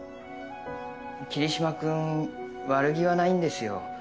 桐島君悪気はないんですよ。